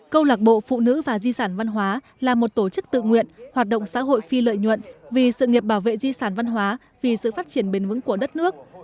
câu lạc bộ phụ nữ và di sản văn hóa là một tổ chức tự nguyện hoạt động xã hội phi lợi nhuận vì sự nghiệp bảo vệ di sản văn hóa vì sự phát triển bền vững của đất nước